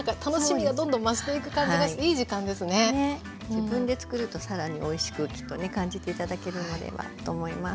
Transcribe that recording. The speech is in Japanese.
自分でつくると更においしくきっとね感じて頂けるのではと思います。